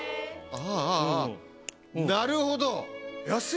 あぁあぁなるほど！